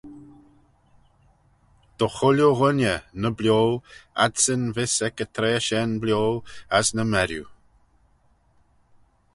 Dy chooilley ghooinney, ny bio, adsyn vees ec y traa shen bio, as ny merriu.